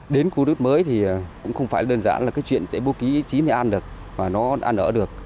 đến khu đất mới thì cũng không phải đơn giản là cái chuyện để bố ký ý chí này ăn được mà nó ăn ở được